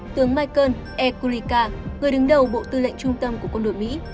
tướng michael e kulika người đứng đầu bộ tư lệnh trung tâm của quân đội mỹ